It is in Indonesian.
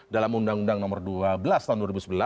dalam undang undang nomor dua belas tahun dua ribu sebelas